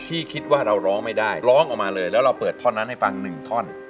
คิดว่าเราร้องไม่ได้ร้องออกมาเลยแล้วเราเปิดท่อนนั้นให้ฟังหนึ่งท่อน